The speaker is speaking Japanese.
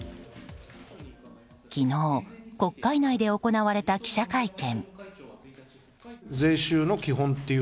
昨日、国会内で行われた記者会見。